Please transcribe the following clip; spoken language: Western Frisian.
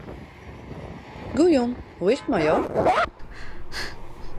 Goejûn, hoe is 't mei jo?